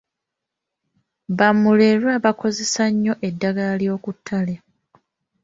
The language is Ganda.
Bamulerwa bakozesa nnyo eddagala lyokuttale.